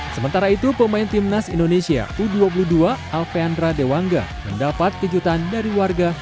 sementara itu pemain timnas indonesia u dua puluh dua alfeandra dewangga mendapat kejutan dari warga